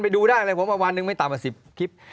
ไปดูได้เลยผมวันนึงไม่ตามมา๑๐คลิป